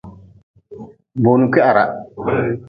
Runi kwiharah.